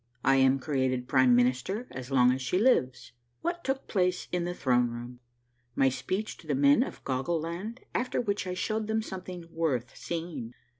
— I AM CREATED PRIME MINISTER AS LONG AS SHE LIVES. — WHAT TOOK PLACE IN THE THRONE ROOM. — MY SPEECH TO THE MEN OF GOGGLE LAND AFTER WHICH I SHOW THEM SOMETHING WORTH SEEING.